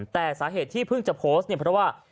แต่สาเหตุที่เพิ่งจะโพสต์เนี่ยเพราะว่า